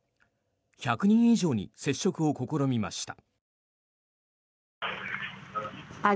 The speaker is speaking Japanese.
１００人以上に接触を試みました。